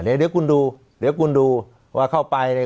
เดี๋ยวคุณดูเดี๋ยวคุณดูว่าเข้าไปเนี่ย